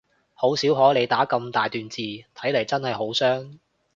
好少可你打咁大段字，睇嚟真係好傷